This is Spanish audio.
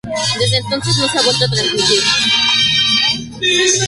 Desde entonces no se ha vuelto a transmitir.